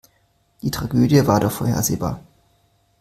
Die Tragödie war doch vorhersehbar.